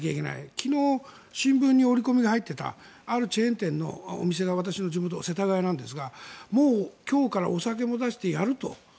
昨日、新聞に織り込みが入っていたあるチェーン店のお店世田谷なんですがもう今日からお酒も出してやると。